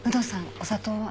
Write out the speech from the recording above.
お砂糖は？